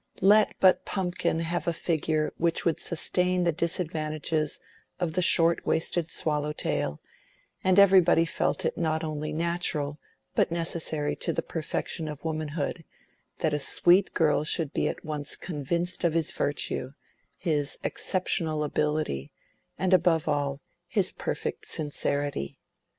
Let but Pumpkin have a figure which would sustain the disadvantages of the shortwaisted swallow tail, and everybody felt it not only natural but necessary to the perfection of womanhood, that a sweet girl should be at once convinced of his virtue, his exceptional ability, and above all, his perfect sincerity.